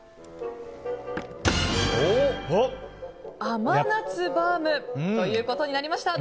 甘夏バウムということになりました。